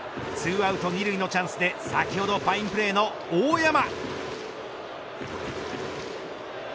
２アウト２塁のチャンスで先ほどファインプレーの大山。